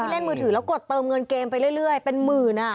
เล่นมือถือแล้วกดเติมเงินเกมไปเรื่อยเป็นหมื่น